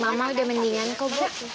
mama udah mendingan kamu